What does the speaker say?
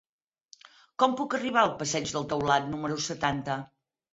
Com puc arribar al passeig del Taulat número setanta?